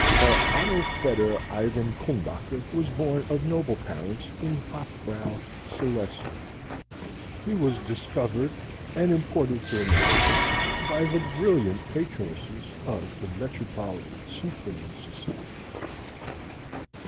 Herr Otto Fédor Ivan Culmbacher was born of noble parents in Hofbräu, Silesia. He was discovered and imported to America by the brilliant patronesses of the Metropolitan Symphony Society.